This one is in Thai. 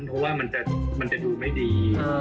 เพราะว่ามันจะดูไม่ดี